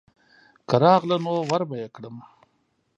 که راغله نو وربه یې کړم.